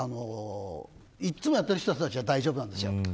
いつもやってる人たちは大丈夫なんですよ。